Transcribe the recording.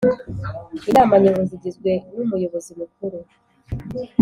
Inama Nyobozi igizwe n Umuyobozi mukuru